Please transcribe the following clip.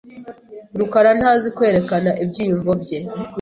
rukara ntazi kwerekana ibyiyumvo bye .